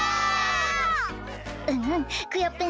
うんうんクヨッペン